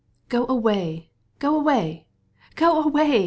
"Go away, go away, go away!"